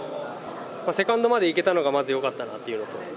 セカンドまで行けたのがまずよかったなと思います。